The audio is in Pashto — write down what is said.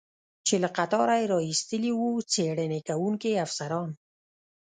چې له قطاره یې را ایستلی و، څېړنې کوونکي افسران.